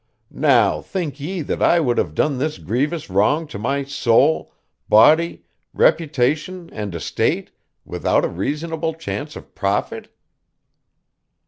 Now think ye that I would have done this grievous wrong to my soul, body, reputation, and estate, without a reasonable chance of profit?